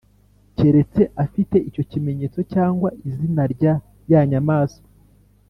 keretse afite icyo kimenyetso cyangwa izina rya ya nyamaswa,